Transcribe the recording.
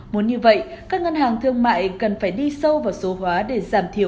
muốn như vậy các ngân hàng thương mại cần phải đi sâu vào số hóa để giảm thiểu